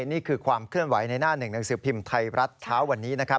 นี่คือความเคลื่อนไหวในหน้าหนึ่งหนังสือพิมพ์ไทยรัฐเช้าวันนี้นะครับ